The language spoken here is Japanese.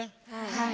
はい。